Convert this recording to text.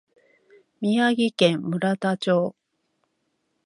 宮城県村田町